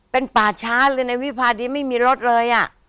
เป็นป่าช้าเลยในวิภาดีไม่มีรถเลย